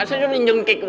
diketin lampung pin